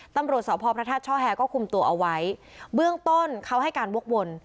ตำรวจสพพระธาตุช่อแฮก็คุมตัวเอาไว้เบื้องต้นเขาให้การวกวน